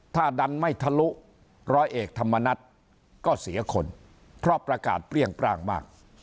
ถ้าดันไม่ทะลุร้อยเอกธรรมนัฏก็เสียคนเพราะประกาศเปรี้ยงปร่างมาก